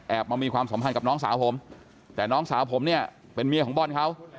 มามีความสัมพันธ์กับน้องสาวผมแต่น้องสาวผมเนี่ยเป็นเมียของบอลเขา